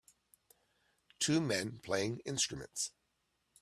Two men playing instruments